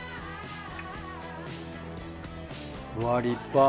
うわぁ立派。